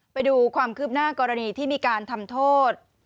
ไปดูความคืบหน้ากรณีที่มีการทำโทษ